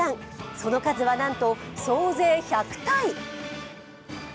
その数はなんと総勢１００体。